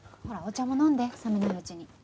ほらお茶も飲んで冷めないうちに。